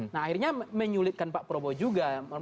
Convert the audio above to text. nah akhirnya menyulitkan pak prabowo juga